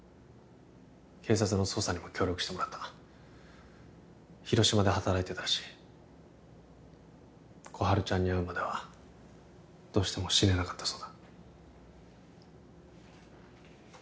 警察の捜査にも協力してもらった広島で働いてたらしい心春ちゃんに会うまではどうしても死ねなかったそうだ・